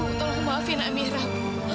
ibu tolong maafin amiran